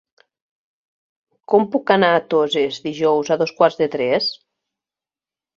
Com puc anar a Toses dijous a dos quarts de tres?